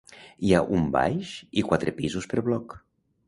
Hi ha un baix i quatre pisos per bloc.